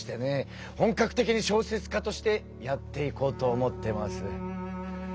本格的に小説家としてやっていこうと思ってます。